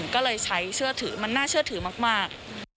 ก็เลยใช้เชื่อถือมันน่าเชื่อถือมาก